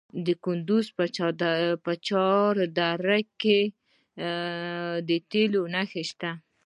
د کندز په چهار دره کې د تیلو نښې شته.